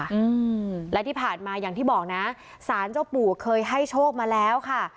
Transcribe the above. อืมและที่ผ่านมาอย่างที่บอกนะสารเจ้าปู่เคยให้โชคมาแล้วค่ะ